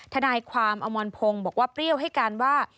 ทนายความอมรพงศ์บอกว่าเปรี้ยวให้การว่า